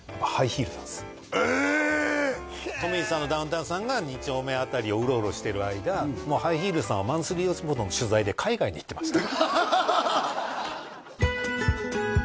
トミーズさんとダウンタウンさんが２丁目辺りをウロウロしてる間ハイヒールさんは「マンスリーよしもと」の取材で海外に行ってました